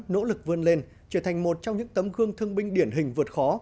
nỗ lực vươn lên trở thành một trong những tấm gương thương binh điển hình vượt khó